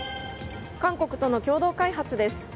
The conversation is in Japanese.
韓国との共同開発です。